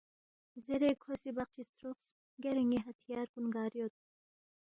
زیرے کھو سی بقچی ستروقس، گارے ن٘ی ہتھیار کُن گار یود؟